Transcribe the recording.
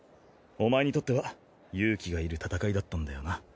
お前にとっては勇気がいる戦いだったんだよな。